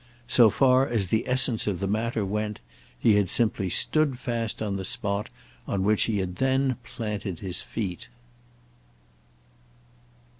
So far as the essence of the matter went he had simply stood fast on the spot on which he had then planted his feet.